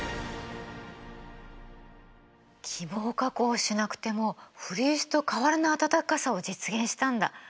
起毛加工しなくてもフリースと変わらない暖かさを実現したんだ。